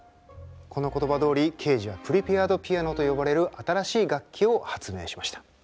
この言葉どおりケージはプリペアド・ピアノと呼ばれる新しい楽器を発明しました。